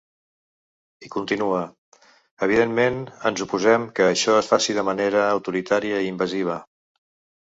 I continua: Evidentment ens oposem que això es faci de manera autoritària i invasiva.